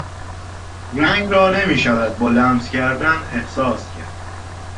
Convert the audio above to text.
رنگ را نمیشود با لمس کردن احساس کرد.